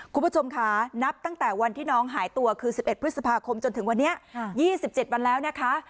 คุณผู้ชมค่ะนับตั้งแต่วันที่น้องหายตัวคือ๑๑พฤษภาคมจนถึงวันนี้๒๗วันแล้วนะคะ